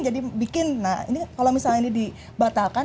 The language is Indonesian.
jadi bikin nah ini kalau misalnya ini dibatalkan